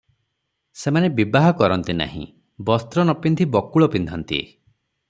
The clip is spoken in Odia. ସେମାନେ ବିବାହ କରନ୍ତି ନାହିଁ ; ବସ୍ତ୍ର ନ ପିନ୍ଧି ବକୁଳ ପିନ୍ଧନ୍ତି ।